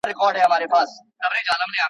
سولاغه هره ورځ څاه ته نه لوېږي .